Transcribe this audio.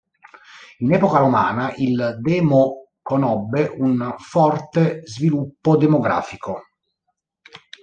In epoca romana il demo conobbe un forte sviluppo demografico.